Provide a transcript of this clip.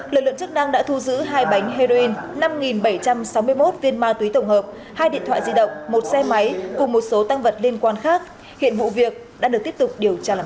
lực lượng chức năng đã thu giữ hai bánh heroin năm bảy trăm sáu mươi một viên ma túy tổng hợp hai điện thoại di động một xe máy cùng một số tăng vật liên quan khác hiện vụ việc đã được tiếp tục điều tra làm rõ